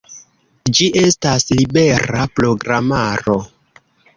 Ĝi estas libera programaro.